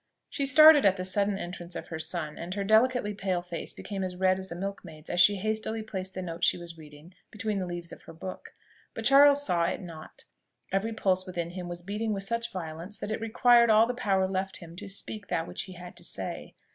She started at the sudden entrance of her son, and her delicately pale face became as red as a milkmaid's as she hastily placed the note she was reading between the leaves of her book. But Charles saw it not; every pulse within him was beating with such violence, that it required all the power left him to speak that which he had to say.